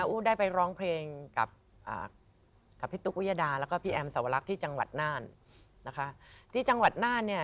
อุ๊ได้ไปร้องเพลงกับพี่ตุ๊กวิยดาแล้วก็พี่แอมสวรรคที่จังหวัดน่าน